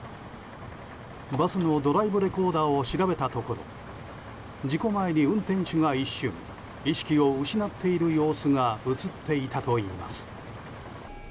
バスのドライブレコーダーを調べたところ事故前に運転手が一瞬意識を失っている様子が映っていたといいます。